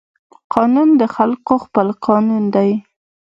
قانون د خلقو خپل قانون دى.